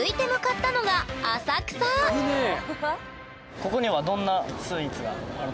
ここにはどんなスイーツがあるの？